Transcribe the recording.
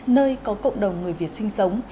nơi có cộng đồng người việt sinh sống